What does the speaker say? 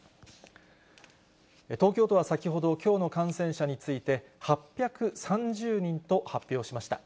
東京都は先ほど、きょうの感染者について、８３０人と発表しました。